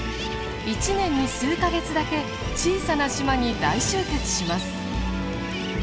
１年に数か月だけ小さな島に大集結します。